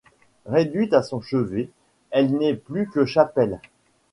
Réduite à son chevet, elle n'est plus que chapelle.